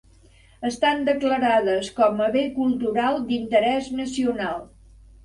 Estan declarades com a bé cultural d'interès nacional.